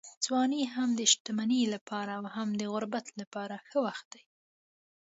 ځواني هم د شتمنۍ لپاره او هم د غربت لپاره ښه وخت دی.